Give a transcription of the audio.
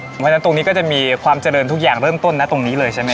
เพราะฉะนั้นตรงนี้ก็จะมีความเจริญทุกอย่างเริ่มต้นนะตรงนี้เลยใช่ไหม